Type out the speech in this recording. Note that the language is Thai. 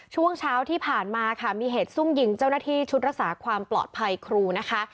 ช่วงเช้าที่ผ่านมาค่ะมีเหตุซุ่มยิงเจ้าหน้าที่ชุดรักษาความปลอดภัยครูนะคะ